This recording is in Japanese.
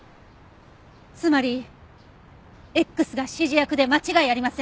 つまりＸが指示役で間違いありません。